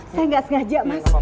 saya gak sengaja mas